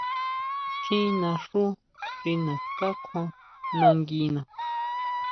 Tjín naxú xi naská kjuan nanguina.